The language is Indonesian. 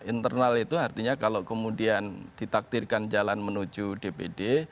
internal itu artinya kalau kemudian ditaktirkan jalan menuju dpd